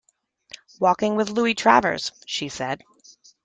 “Walking with Louie Travers,” she said.